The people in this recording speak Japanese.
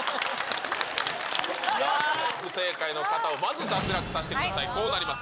不正解の方は、まず脱落させてください、こうなります。